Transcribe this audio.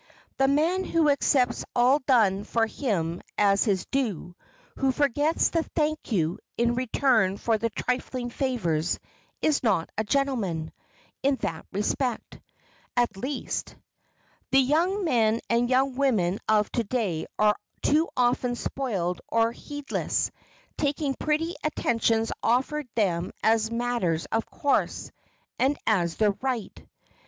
The man who accepts all done for him as his due, who forgets the "thank you" in return for the trifling favors, is not a gentleman—in that respect, at least. The young men and young women of to day are too often spoiled or heedless, taking pretty attentions offered them as matters of course, and as their right.